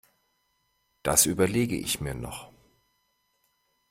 Das überlege ich mir noch.